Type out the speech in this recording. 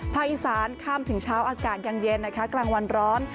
ภาคอีสานข้ามถึงเช้าอากาศอย่างเย็นนะคะกลางวันร้อน